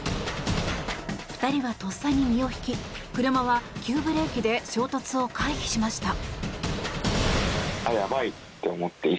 ２人はとっさに身を引き車は急ブレーキで衝突を回避しました。